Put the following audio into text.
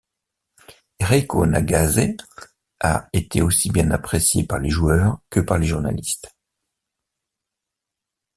Reiko Nagase a été aussi bien appréciée par les joueurs que par les journalistes.